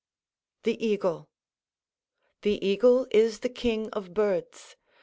'] THE EAGLE The eagle is the king of birds.